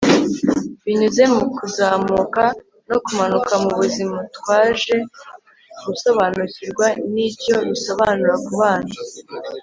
binyuze mu kuzamuka no kumanuka mubuzima, twaje gusobanukirwa nicyo bisobanura kubana